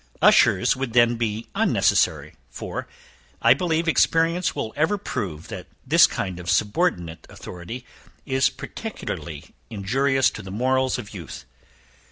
Ushers would then be unnecessary; for, I believe, experience will ever prove, that this kind of subordinate authority is particularly injurious to the morals of youth.